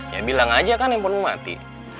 ya bilang aja kan handphonemu mati